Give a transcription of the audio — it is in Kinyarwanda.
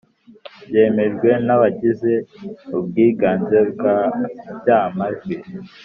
Byemejwe n abagize ubwiganze bwa by amajwi